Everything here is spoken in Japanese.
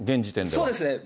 そうですね。